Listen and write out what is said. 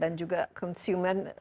dan juga para konsumen juga menggunakan